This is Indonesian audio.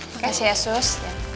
makasih ya sus